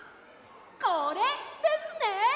これですね！